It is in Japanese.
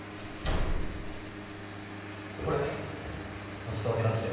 これお裾分けだって。